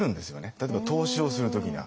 例えば投資をする時には。